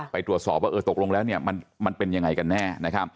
ไปตรวจสอบว่าตกลงแล้วมันเป็นยังไงกันแน่